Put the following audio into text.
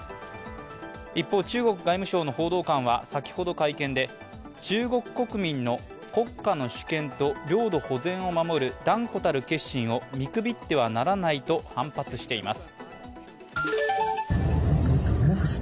一方、中国外務省の報道官は先ほど会見で中国国民の国家の主権と領土保全を守る断固たる決心を見くびってはならないと反発しています。